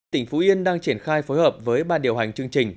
tỉnh phú yên đang triển khai phối hợp với ban điều hành chương trình